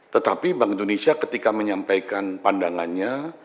tetapi bank indonesia ketika menyampaikan pandangannya